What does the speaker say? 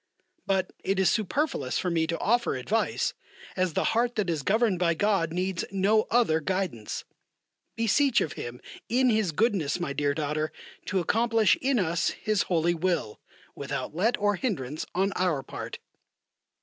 But it is superfluous for me to offer advice, as the heart that is governed by God needs no other guidance. Beseech of Him in His goodness, my dear daughter, to accomplish in us His holy will, without let or hindrance on our part.